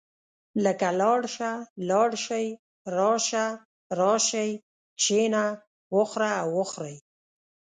لکه لاړ شه، لاړ شئ، راشه، راشئ، کښېنه، وخوره او وخورئ.